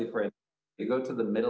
terutama untuk itu